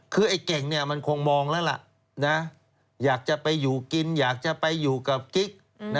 คือไอ้เก่งมันคงมองแล้วล่ะอยากจะไปอยู่กินอยากจะไปอยู่กับกิ๊ก